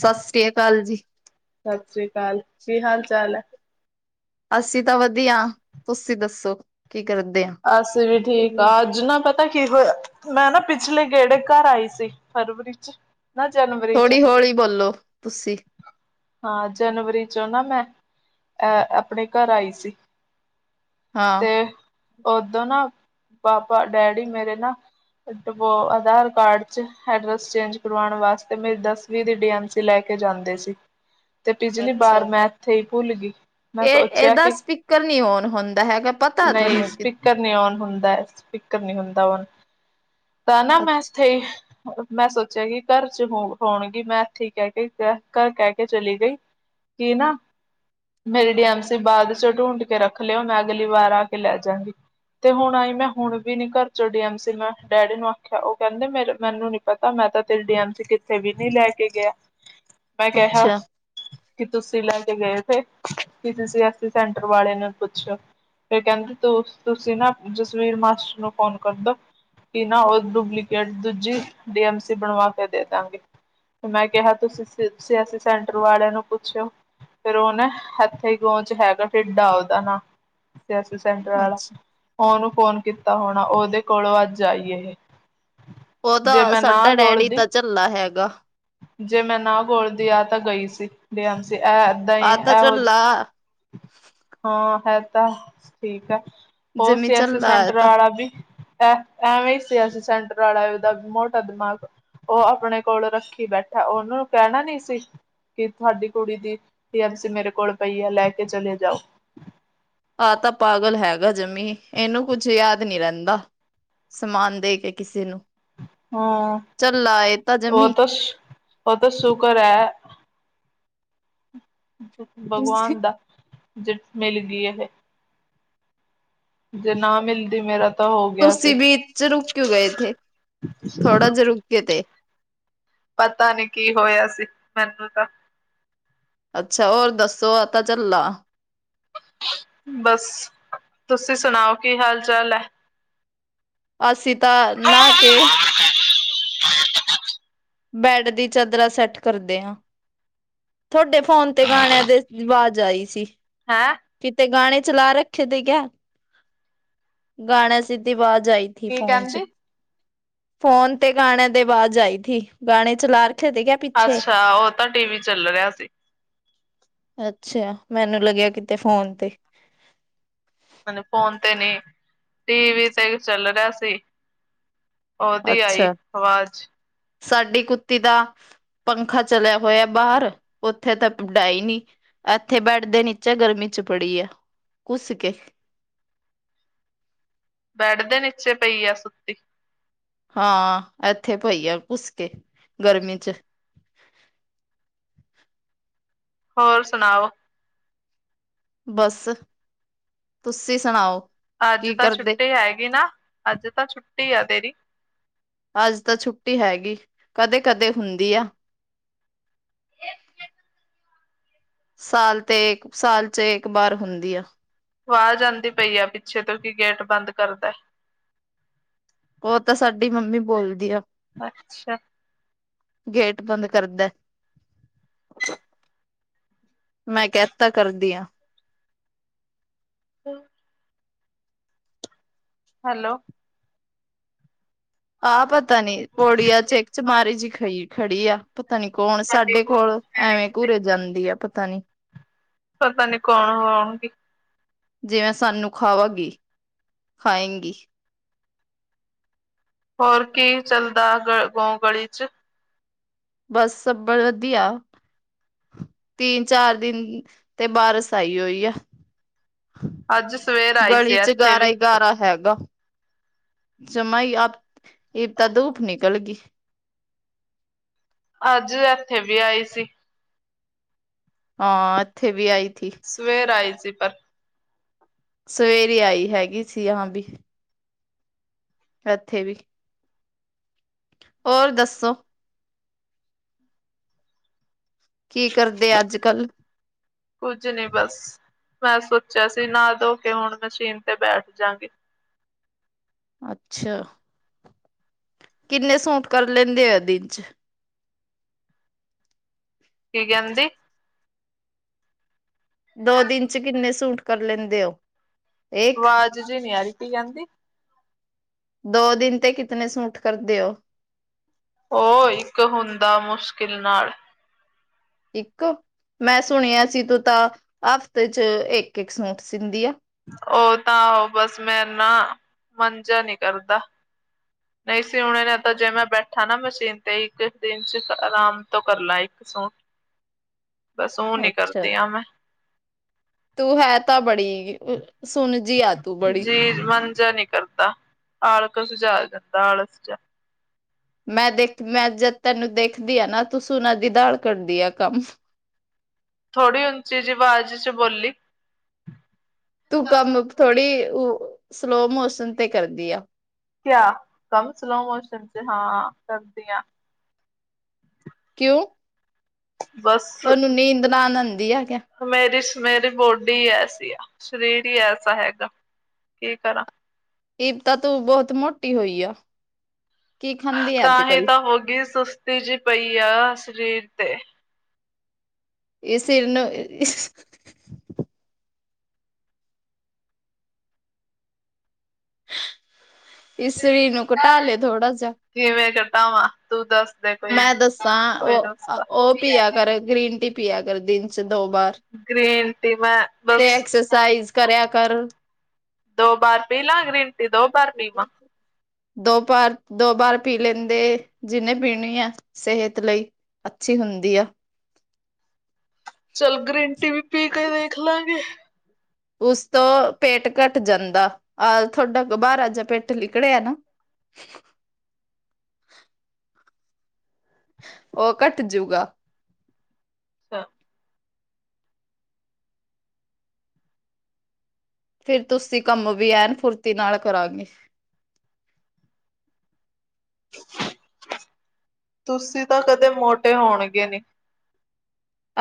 ਸਤਿ ਸ੍ਰੀ ਸ੍ਰੀਕਾਲ ਅਕਾਲ ਜੀ। ਸਤਿ ਸ੍ਰੀ ਅਕਾਲ ਕੀ ਹਾਲ ਚਾਲ ਹੈ? ਅਸੀਂ ਤਾਂ ਵਧੀਆ, ਤੁਸੀਂ ਦੱਸੋ ਕੀ ਕਰਦੇ ਆ? ਅਸੀਂ ਵੀ ਠੀਕ ਆ ਅੱਜ ਨਾ ਪਤਾ ਤਾਂ ਕੀ ਹੋਇਆ ਮੈਂ ਨਾ ਪਿਛਲੇ ਗੇੜੇ ਘਰ ਆਈ ਸੀ ਫਰਵਰੀ ਚ ਨਾ ਜਨਵਰੀ ਚ ਥੋੜ੍ਹੀ ਹੌਲੀ ਬੋਲੋ ਤੁਸੀਂ, ਹਾਂ ਜਨਵਰੀ ਚੋਂ ਨਾ ਮੈਂ ਅਹ ਆਪਣੇ ਘਰ ਆਈ ਸੀ। ਹਾਂ। ਉਓਦੋਂ ਨਾ ਪਾਪਾ ਡੈਡੀ ਮੇਰੇ ਨਾ ਡੋ ਆਧਾਰ ਕਾਰਡ ਚ ਐਡਰਸ ਚੇਂਜ ਕਰਵਾਉਣ ਵਾਸਤੇ ਮੇਰੀ ਦਸਵੀਂ ਲੈ ਕੇ ਜਾਂਦੇ ਸੀ ਤੇ ਪਿਛਲੀ ਵਾਰ ਅੱਛਾ, ਮੈਂ ਇੱਥੇ ਹੀ ਭੁੱਲ ਗਈ। ਮੈਂ ਇਹ ਸੋਚਿਆ ਇਹਦਾ ਕਿ ਸਪੀਕਰ ਨੀ ਓਨ ਹੁੰਦਾ ਹੈਗਾ। ਪਤਾ ਨਹੀਂ ਤੁਹਾਨੂੰ ਕਿ ਸਪੀਕਰ ਨੀ ਓਨ ਹੁੰਦਾ ਸਪੀਕਰ ਨਹੀਂੀ ਹੁੰਦਾ ਓਨ। ਤਾਂ ਨਾ ਅੱਛ ਮੈਥੇ ਮੈਂ ਸੋਚਿਆ ਕਿ ਘਰ ਚ ਹੋ ਹੋਣਗੀ ਮੈਂ ਇੱਥੇ ਹੀ ਕਹਿ ਕੇ ਘਰ ਕਹਿ ਕੇ ਚਲੀ ਗਈ। ਕੀ ਨਾ ਮੇਰੀ ਡੀ ਐਮ ਸੀ ਬਾਅਦ ਚ ਢੂੰਡ ਕੇ ਰੱਖ ਲਿਓ ਮੈਂ ਅਗਲੀ ਵਾਰ ਆ ਕੇ ਲੈ ਜਾਗੀ। ਤੇ ਹੁਣ ਆਈ ਮੈਂ ਹੁਣ ਵੀ ਨੀ ਘਰ ਚੋਂ ਡੀ ਐਮ ਸੀ ਮੈਂ ਡੈਡੀ ਨੂੰ ਆਖਿਆ ਉਹ ਕਹਿੰਦੇ ਮੇਰੇ ਮੈਨੂੰ ਨੀ ਪਤਾ ਮੈਂ ਤਾਂ ਤੇ ਡ ਅੰਥ ਕਿੱਥੇ ਵੀ ਨਹੀਂੀ ਲੈ ਕੇ ਗਿਆ ਮੈਂ ਕਿਹਾ ਅੱਛਾ, ਕੀ ਤੁਸੀਂ ਲੈ ਕੇ ਗਏਥੇ ਸੀ ਸੈਂਟਰ ਵਾਲੇ ਨੂੰ ਪੁੱਛਓ। ਫਿਰ ਕਹਿੰਦੇ ਤੁਸੀਂ ਨਾ ਜਸਵੀਰ ਮਾਸਟਰ ਨੂੰ ਫੋਨ ਕਰਦੋ। ਕਿ ਨਾ ਉਹ ਡੁਪਲੀਕੇਟ ਦੂਜੀ ਡੀ ਐਮ ਸੀ ਬਣਵਾ ਕੇ ਦੇ ਦਾਂਗੇ। ਤੇ ਮੈਂ ਕਿਹਾ ਤੁਸੀਂ ਸਿਆਸੀ ਸੈਂਟਰ ਵਾਲੇ ਨੂੰ ਪੁੱਛਿਓ ਫੇਿਰ ਉਹਨੇ ਹੱਥੇ ਗੋਹ ਚ ਹੈਗਾ ਟੇਡਾ ਉਹਦਾ ਨਾਂ। ਸੈਂਟਰਾ ਅੱਛਾ। ਉਹਓਨੂੰ ਫੋਨ ਕੀਤਾ ਹੋਣਾ ਉਹਦੇ ਕੋਲੋਂ ਅੱਜ ਆਈ ਇਹ। ਉਹ ਜੇ ਤਾਂ ਮੈਂ ਨਾ ਸੰਡਾ ਡੈਡੀ ਹੀ ਗੋਲਦੀ ਤਾਂ ਝੱਲਲਾ ਹੈਗਾ। ਜੇ ਮੈਂ ਨਾ ਘੋਲਦੀ ਆ ਤਾਂ ਗਈ ਸੀ ਡੀਐਮ ਸੀ ਇਹ ਏਦਾਂ ਹੀ ਆਹ ਤਾਂ ਇਹੋ ਝੱਲਾ ਜਿ ਹਾਂ ਹੈ ਤਾਂ ਠੀਕ ਹੈ। ਹੋਰ ਜਿਮੀ ਸਿਆਸੀ ਝੱਲਾ ਐ ਸੈਂਟਰ ਤਾਂ, ਵਾਲਾ ਵੀ ਇਹ ਐਵੇਂ ਹੀ ਸੀਿਆਸੀ ਸੈਂਟਰ ਵਾਲਾ ਉਹਦਾ ਮੋਟਾ ਦਿਮਾਗ ਉਹ ਆਪਣੇ ਕੋਲ ਰੱਖ ਕੀ ਬੈਠਾ ਉਹਨਨਾਂ ਨੂੰ ਕਹਿਣਾ ਨੀ ਸੀ। ਕਿ ਤੁਹਾਡੀ ਕੁੜੀ ਦੀ ਐਮ ਸੀ ਮੇਰੇ ਕੋਲ ਪਈ ਹੈ ਲੈ ਕੇ ਚਲੇ ਜਾਓ। ਆਹ ਤਾਂ ਪਾਗਲ ਹੈਗਾ ਜਮੀ ਇਹਨੂੰ ਕੁੱਝ ਯਾਦ ਨਹੀਂੀ ਰਹਿੰਦਾ ਸਮਾਨ ਦੇ ਕੇ ਕਿਸੇ ਨੂੰ। ਹਾਂ ਝੱਲਾ ਇਹ ਤਾਂ ਜਮੀ। ਉਹ ਤ ਸ਼ੂਕਰ ਹੈ ਤੁਸੀਂ ਭਗਵਾਨ ਦਾ ਜ ਮਿਲ ਗਈ ਇਹ। ਜੇ ਨਾ ਮਿਲਦੀ ਮੇਰਾ ਤਾਂ ਹੋ ਗਿਆ ਸੀ ਤੁਸੀਂ ਵੀ ਚ ਰੁਕਿਉ ਗਏ ਇੱਥੇ ਥੋੜਾ ਜਿਹਾ ਰੁਕੇ ਤੇ। ਪਤਾ ਨੀ ਕੀ ਹੋਇਆ ਸੀ ਮੈਨੂੰ ਤਾਂ। ਅੱਛਾ ਹੋਰ ਦੱਸੋ, ਆ ਤਾਂ ਝੱਲਾ। ਬਸ, ਤੁਸੀਂ ਸੁਣਾਓ ਕੀ ਹਾਲ ਚਾਲ ਹੈ? ਅਸੀਂ ਤਾਂ ਨਾ ਕੇ ਬੈਡ ਦੀ ਚਾਦਰਰਾਾਂ ਸੈੱਟ ਕਰਦੇ ਹਾਂ। ਤੁਹਾਡੇ ਫੋਨ ਤੇ ਗਾਣਿਆਂ ਦੇ ਆਵਾਜ਼ ਆਈ ਸੀ। ਹੈਂ ਕਿਤੇ ਗਾਣੇ ਚਲਾ ਰੱਖੇ ਤੇ ਕਿਆ, ਗਾਣਾ ਸਿੱਧੀ ਆਵਾਜ਼ ਆਈ। ਕੀ ਫੋਨ ਚ, ਕਹਿੰਦੀ ਫੋਨ ਤੇ ਗਾਣਿਆਂ ਦੇ ਅੱਵਾਜ ਆਈ ਥੀ, ਗਾਣੇ ਚਲਾ ਕੇ ਅੱਛਾ। ਉਹ ਤਾਂ ਟੀ ਵੀ ਚੱਲ ਰਿਹਾ ਸੀ। ਅੱਛਾ। ਮੈਨੂੰ ਲੱਗਿਆ ਕਿਤੇ ਫੋਨ ਤੇ ਫੋਨ ਤੇ ਨੀ, ਟੀਵੀ ਤੇ ਚੱਲ ਰਿਹਾ ਸੀ। ਉਹਦੀ ਆਈ ਅੱਛਾ ਆਵਾਜ਼। ਸਾਡੀ ਕੁੱਤੀ ਦਾ ਪੰਖਾ ਚਲਿਆ ਹੋਇਆ ਬਾਹਰ, ਉੱਥੇ ਤਾਂ ਡਾ ਹੀ ਨਹੀਂ। ਇੱਥੇ ਬੈਡ ਦੇ ਨੀਚੇ ਗਰਮੀ ਚ ਪੜੀ ਐ ਘੱਸ ਕੇ। ਬੈਡ ਦੇ ਨੀਚੇ ਪਈ ਆ ਸੁੱਤੀ। ਹਾਂ, ਇੱਥੇ ਪਈ ਆ ਘੁਸ ਕੇ ਗਰਮੀ ਚ। ਹੋਰ ਸੁਣਾਓ? ਬਸ, ਤੁਸੀਂ ਸੁਣਾਓ? ਅੱਜ ਕੀ ਤਾਂ ਕਰਦੇ ਛੁੱਟੀ ਹੈਗੀ ਨਾ, ਅੱਜ ਤਾਂ ਛੁੱਟੀ ਆ ਤੇਰੀ। ਅੱਜ ਤਾਂ ਛੁੱਟੀ ਹੈਗੀ। ਕਦੇ-ਕਦੇ ਹੁੰਦੀ ਆ। ਸਾਲ ਤੇ, ਸਾਲ ਚ ਇੱਕ ਵਾਰ ਹੁੰਦੀ ਆ। ਆਵਾਜ਼ ਆਉਂਦੀ ਪਈ ਆ ਪਿੱਛੇ ਤੋਂ ਕੀ ਗੈਟ ਬੰਦ ਕਰਦਾ। ਉਹ ਤਾਂ ਸਾਡੀ ਮੰਮੀ ਬੋਲਦੀ ਆ। ਅੱਛਾ। ਗੇਟ ਬੰਦ ਕਰਦਾ। ਮੈਂ ਕਹਿਤਾ ਕਰਦੀ ਹਾਂ। [inaudible] ਹੈਲੋ ਆ ਪਤਾ ਨੀ ਪੌੜੀਆਂ ਚ ਚਮਾਰੀ ਜਿ ਖ ਖੜੀ ਆ, ਪਤਾ ਨੀ ਕੌਣ ਸਾਡੇ ਕੋਲ ਐਵੇਂ ਘੁਰਰੇ ਜਾਂਦੀ ਆ ਪਤਾ ਨੀ। ਪਤਾ ਨੀ ਕੌਣ ਹੋਣਗੀ। ਜਿਵੇਂ ਸਾਨੂੰ ਖਾਵਾਂਗੀ ਖਾਏਗੀ। ਹੋਰ ਕੀ ਚੱਲਦਾ ਗ ਗੋ ਗਲੀ ਚ? ਬਸ ਸਭ ਬੜ ਵਧੀਆ। ਤਿੰਨ-ਚਾਰ ਦਿਨ ਤੇ ਬਾਰਸ ਆਈ ਹੋਈ ਆ। ਅੱਜ ਸਵੇਰ ਆਈ ਗਲੀ ਸੀ ਚ ਇੱਥੇ ਗਾਰਾ ਵੀ ਹੀ ਗਾਰਾ ਹੈਗਾ। ਜਮਾਈ ਅ ਬ ਈਤਾਂ ਧੂਪ ਨਿਕਲ ਗਈ। ਅੱਜ ਇੱਥੇ ਵੀ ਆਈ ਸੀ। ਹਾਂ ਇੱਥੇ ਵੀ ਆਈ ਇੱਥੇ ਥੀ। ਸਵੇਰ ਆਈ ਸੀ ਪਰ ਸਵੇਰੇ ਆਈ ਹੈਗੀ ਸੀ ਯਹਾਂ ਬੀ। ਇੱਥੇ ਵੀ। ਹੋਰ ਦੱਸੋ? ਕੀ ਕਰਦੇ ਆ ਅੱਜ-ਕੱਲ੍ਹ? ਕੁੱਝ ਨੀ ਬਸ। ਮੈਂ ਸੋਚਿਆ ਸੀ ਨਾ ਧੋ ਕੇ ਹੁਣ ਮਸ਼ੀਨ ਤੇ ਬੈਠ ਜਾਗੇ। ਅੱਛਾ। ਕਿੰਨੇ ਸੂਟ ਕਰ ਲੈਂਦੇ ਆ ਦਿਨ ਚ? ਕੀ ਕਹਿੰਦੇ? ਦੋ ਦਿਨ ਚ ਕਿੰਨੇ ਸੂਟ ਕਰ ਲੈਂਦੇ ਹੋ? ਇੱਕ ਵਾਜ਼ ਜੀ ਨੀ ਆਰੀ ਕੀ ਕੈਂਦੀ। ਦੋ ਦਿਨ ਤੇ ਕਿਤਨੇ ਸੂਟ ਕਰਦੇ ਓ। ਓ ਇੱਕ ਹੁੰਦਾ ਮੁਸ਼ਕਿਲ ਨਾਲ। ਇੱਕ ਮੈਂ ਸੁਣਿਆ ਸੀ ਤੂੰ ਤਾਂ ਅਫ਼ਤੇ 'ਚ ਇੱਕ-ਇੱਕ ਸੂਟ ਸੀਦੀ ਆ। ਓ ਤਾਂ ਓ ਬਸ ਮੈਂ ਨਾ ਮੰਨ ਜਿਆ ਨੀ ਕਰਦਾ। ਨਹੀਂ ਸਿਊਣੇ ਨੇ ਤਾਂ ਜੇ ਮੈਂ ਬੈਠਾ ਨਾ ਮਸ਼ੀਨ ਤੇ ਇੱਕ ਦਿਨ 'ਚ ਆਰਾਮ ਤੋਂ ਕਰਲਾ। ਬਸ ਓ ਨੀ ਅੱਛਾ। ਕਰਦੀ ਆ ਮੈਂ। ਤੂੰ ਹੈ ਤਾਂ ਬੜੀ ਸੁਣ ਜੀ ਆ। ਤੂੰ ਬੜੀ। ਜੀ ਮੰਨ ਜਿਆ ਨੀ ਕਰਦਾ, ਆਲਕਤ ਜਿਆ ਆ ਜਾਂਦਾ, ਆਲਸ ਜਿਆ। ਮੈਂ ਦੇਖ ਮੈਂ ਜਦ ਤੈਨੂੰ ਦੇਖਦੀ ਆ ਨਾ ਤੁਸੀਂ ਓਨਾਂ ਦੀ ਦਾਲ ਕੱਢਦੀ ਆ ਕੰਮ। ਥੋੜੀ ਉਂਚੀ ਜੀ ਵਾਜ਼ 'ਚ ਬੋਲੀ। ਤੂੰ ਕੰਮ ਥੋੜ੍ਹੀ ਉ ਸਲੋ ਮੋਸ਼ਨ ਤੇ ਕਰਦੀ ਆ। ਕਿਆ ਕੰਮ ਸਲੋ ਮੋਸ਼ਨ ਤੇ ਹਾਂ ਕਰਦੀ ਆਂ। ਕਿਉਂ ਬਸ ਤੁਆਨੂੰ ਨੀਂਦ ਨਾਲ ਉਂਦੀ ਆ। ਕਿਆ ਮੇਰੀ ਮੇਰੀ ਬੋਡੀ ਐਸੀ ਆ, ਸਰੀਰ ਈ ਐਸਾ ਹੈਗਾ ਕੀ ਕਰਾਂ। ਸਬ ਤਾ ਤੂੰ ਬੋਤ ਮੋਟੀ ਹੋਈ ਆ। ਕੀ ਖਾਂਦੀ ਆ ਅੱਜ ਤਾਂ ਹੀ ਕੱਲ ਤਾਂ ਹੋ ਗੀ, ਸੁਸਤੀ ਜੀ ਪਈ ਆ ਸਰੀਰ ਤੇ। ਏ ਸਿਰ ਨੂੰ ਇਸ ਇਸ ਸਰੀਰ ਨੂੰ ਘਟਾ ਲੇ ਥੋੜਾ ਜਿਆ। ਕਿਵੇਂ ਘਟਾਵਾਂ ਤੂੰ ਦੱਸ ਦੇ ਕੋਈ, ਮੈਂ ਦੱਸਾਂ ਕੋਈ ਉਹ ਨੁਸਖਾ। ਉਹ ਪੀਆ ਕਰ ਗ੍ਰੀਨ ਟੀ ਪਿਆ ਕਰੋ ਦਿਨ [unintelligible] ਗ੍ਰੀਨ ਟੀ ਮੈਂ ਤੇ ਬਸ ਐਕਸਰਸਾਈਜ਼ ਕਰਿਆ ਕਰ ਦੋ ਬਾਰ ਪੀਲਾਂ ਗ੍ਰੀਨ ਟੀ, ਦੋ ਬਾਰ ਪੀਵਾਂ। ਦੋ ਪਾਰ ਦੋ ਬਾਰ ਪੀ ਲੈਂਦੇ ਜਿੰਨੇ ਪੀਣੀ ਆ, ਸਿਹਤ ਲਈ ਅੱਛੀ ਹੁੰਦੀ ਆ। ਚਲ ਗ੍ਰੀਨ ਟੀ ਵੀ ਪੀ ਕੇ ਦੇਖ ਲਾਂਗੇ। ਉਸ ਤੋਂ ਪੇਟ ਘੱਟ ਜਾਂਦਾ ਆ ਥੋਡਾ ਬਾਰ ਆ ਜਿਆ ਪੇਟ ਨਿਕੜਿਆ ਨਾ। ਓ ਘੱਟ ਜਊਗਾ। ਅ ਫਿਰ ਤੁਸੀਂ ਕੰਮ ਵੀ ਐਨ ਫੁਰਤੀ ਨਾਲ ਕਰਾਂਗੇ। ਤੁਸੀਂ ਤਾਂ ਕਦੇ ਮੋਟੇ ਹੋਣਗੇ ਨੀ।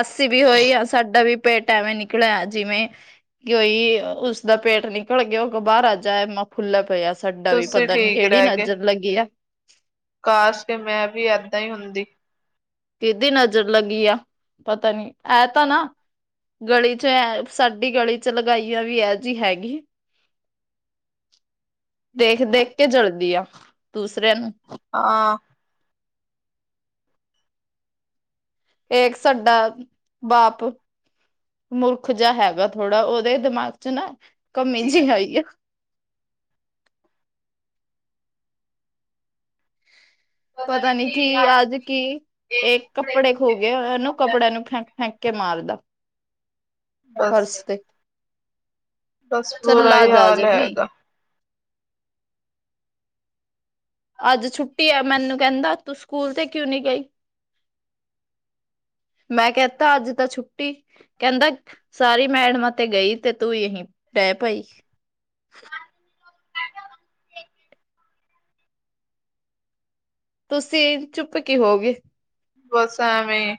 ਅਸੀ ਵੀ ਹੋਈ ਆ ਸਾਡਾ ਵੀ ਪੇਟ ਐਵੇਂ ਨਿਕਲ ਆਇਆ ਜਿਵੇਂ ਕੀ ਓਈ ਉਸਦਾ ਪੇਟ ਨਿਕਲ ਗਿਆ ਓ ਕੋ ਬਾਰ ਆ ਜਾਏ - ਫੁੱਲਾ ਪਿਆ ਸਾਡਾ ਵੀ ਤੁਸੀਂ ਪਤਾ ਨੀ ਠੀਕ ਕੇੜੀ ਨਜ਼ਰ ਲੱਗੀ ਆ। ਖਾਸ ਕੇ ਮੈਂ ਵੀ ਏਦਾਂ ਈ ਹੁੰਦੀ। ਕੀਦੀ ਨਜ਼ਰ ਲੱਗੀ ਆ ਪਤਾ ਨੀ ਐ ਤਾਂ ਨਾ ਗਲੀ 'ਚ ਐ ਸਾਡੀ ਗਲੀ 'ਚ ਲਗਾਈਆਂ ਵੀ ਐ ਜੀ ਹੈਗੀ। ਦੇਖ ਦੇਖ ਕੇ ਜਰਦੀ ਆ ਦੂਸਰਿਆਂ ਨੂੰ। ਹਾਂ ਏਕ ਸਾਡਾ ਬਾਪ ਮੁਰਖ ਜਿਆ ਹੈਗਾ ਥੋੜ੍ਹਾ ਓਦੇ ਦਿਮਾਗ 'ਚ ਨਾ ਕਮੀ ਜੀ ਹੈਈ ਆ। ਪਤਾ ਨੀ ਕੀ ਅੱਜ ਕੀ ਏ ਕੱਪੜੇ ਖੋ ਗਏ ਏ ਏਨੂੰ ਕੱਪੜਿਆਂ ਨੂੰ ਫੈ ਫੈਂਕੇ ਮਾਰਦਾ ਬਸ ਫਰਸ ਤੇ। ਬਸ ਬੁਰਾ ਚੱਲਾ ਹੀ ਜਾ ਹਾਲ ਜਮੀ। ਹੈਗਾ ਅੱਜ ਛੁੱਟੀ ਆ ਮੈਨੂੰ ਕੈਂਦਾ ਤੂੰ ਸਕੂਲ ਤੇ ਕਿਉਂ ਨੀ ਗਈ। [inaudible] ਮੈਂ ਕੈਤਾ ਅੱਜ ਤਾਂ ਛੁੱਟੀ। ਕੈਂਦਾ ਸਾਰੀ ਮੈਡਮਾਂ ਤੇ ਗਈ ਤੇ ਤੂੰ ਯਹੀ ਪੈ ਪਈ। ਤੁਸੀਂ ਚੁੱਪ ਕੀ ਹੋਗੇ? ਬਸ ਐਵੇਂ।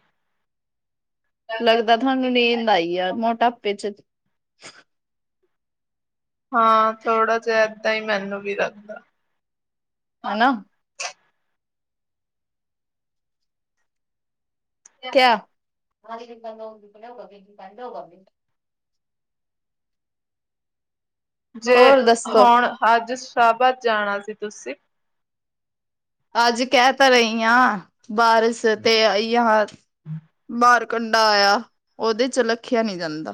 ਲੱਗਦਾ ਥਾਂ ਮਨੂੰ ਨੀਂਦ ਆਈ ਆ ਮੋਟਾਪੇ ਚ। ਹਾਂ ਥੋੜਾ ਜਾ ਐਦਾਂ ਈ ਮੈਨੂੰ ਵੀ ਲੱਗਦਾ। ਹਨਾ। ਕਿਆ। ਜੇ ਹੋਰ ਦੱਸੋ ਹੁਣ ਅੱਜ ਸ਼ਾਹਾਬਾਦ ਜਾਣਾ ਸੀ ਤੁਸੀਂ ਅੱਜ ਕੈ ਤਾਂ ਰਈ ਆਂ ਬਾਰਸ਼ ਸਿਰ ਤੇ ਆਈ ਆ [unintelligible] ਮਾਰ ਕੰਡਾ ਆਇਆ। ਓਦੇ ਚ ਲਖਿਆ ਨਿਵਜਾਂਦਾ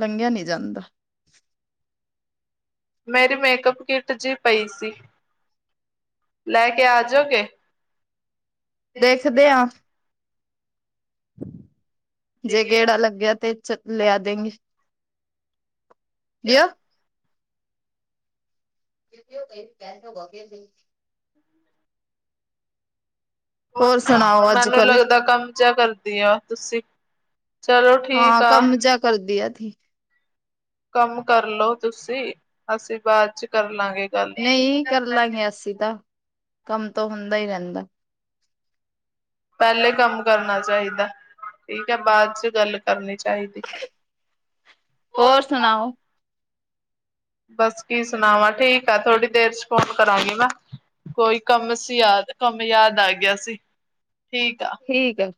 ਲੰਘਿਆ ਨੀ ਜਾਂਦਾ। ਮੇਰੀ ਮੇਕਅੱਪ ਕਿੱਟ ਜੀ ਪਈ ਸੀ ਲੈ ਕੇ ਆਜੋਗੇ। ਦੇਖਦੇ ਆਂ। ਜੇ ਗੇੜਾ ਲੱਗਿਆ ਤੇ ਚ ਲਿਆ ਦੇਗੇ [unintelligible] [inaudible] ਹੋਰ ਸੁਣਾਓ ਅੱਜ ਮੈਨੂੰ ਕੱਲ ਲੱਗਦਾ ਕੰਮ ਜਾ ਕਰਦੀ ਆ ਤੁਸੀਂ। ਚਲੋ ਠੀਕ ਹਾਂ ਆ। ਕੰਮ ਜਾ ਕਰ ਦੀਆ ਥੀ। ਕੰਮ ਕਰਲੋ ਤੁਸੀਂ ਅਸੀਂ ਬਾਦ ਚ ਕਰ ਲਾਂਗੇ। ਗੱਲ ਨਈ ਕਰਲਾਂਗੇ ਅਸੀਂ ਤਾਂ ਕੰਮ ਤੋਂ ਹੁੰਦਾ ਈ ਰੈਂਦਾ। ਪੈਲੇ ਕੰਮ ਕਰਨਾ ਚਾਈਦਾ ਠੀਕ ਆ ਬਾਦ ਚ ਗੱਲ ਕਰਨੀ ਚਾਈਦੀ ਹੋਰ [unintelligible] ਸੁਣਾਓ ਬਸ ਕੀ ਸੁਣਾਵਾਂ ਠੀਕ ਆ ਥੋੜ੍ਹੀ ਦੇਰ ਚ ਫੋਨ ਕਰਾਂਗੀ ਮੈਂ। ਕੋਈ ਕੰਮ ਸੀ ਯਾਦ ਕੰਮ ਯਾਦ ਆ ਗਿਆ ਸੀ ਠੀਕ ਆ। ਠੀਕ ਆ।